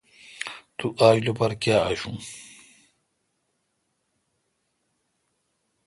تو آج لوپار کاں آشو۔